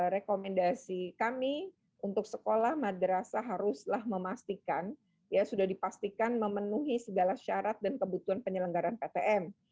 rekomendasi kami untuk sekolah madrasah haruslah memastikan ya sudah dipastikan memenuhi segala syarat dan kebutuhan penyelenggaran ptm